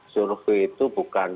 surabaya itu bukan